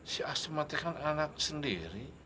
si asma itu kan anak sendiri